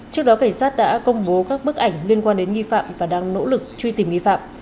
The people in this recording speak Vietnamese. trước đó cảnh sát đã công bố các bức ảnh liên quan đến nghi phạm và đang nỗ lực truy tìm nghi phạm